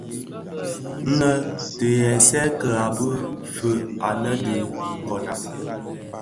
Nnë ti ghèsèè ki ghabi fœug annë dhi nkonag.